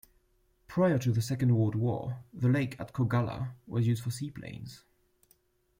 Prior to the Second World War, the lake at Koggala was used for seaplanes.